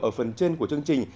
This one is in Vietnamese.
ở phần trên của chương trình